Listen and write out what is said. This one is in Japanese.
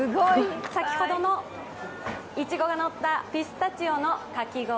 先ほどのいちごがのったピスタチオのかき氷。